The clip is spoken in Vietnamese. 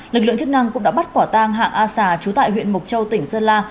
lực lượng chức năng cũng đã bắt quả tang hạng a sà trú tại huyện mộc châu tỉnh sơn la